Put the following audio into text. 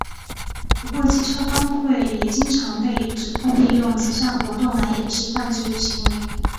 不过机车帮会也经常被指控利用慈善活动来掩饰犯罪行为。